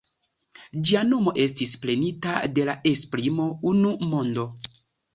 Ĝia nomo estis prenita de la esprimo "unu mondo".